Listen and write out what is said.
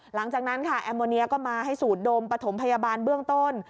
หลังจากนั้นค่ะแอมโมเนียก็มาให้สูดดมปฐมพยาบาลเบื้องต้น